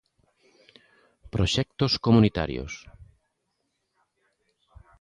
Proxectos comunitarios.